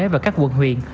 và các quận huyện